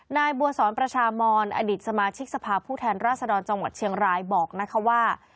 นายบัวสอนประชามอนอดีตสมาชิกสภาพผู้แทนราชดรจังหวัดเชียงรายบอกนะคะว่า